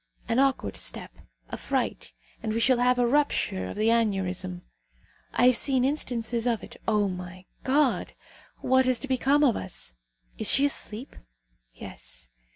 An awkward step, a fright, and we shall have a rupture of the aneurism. I have seen instances of it. O my God! what is to become of us? Is she asleep? Yes.